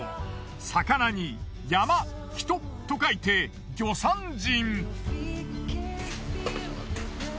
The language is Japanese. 魚に山人と書いて魚山人。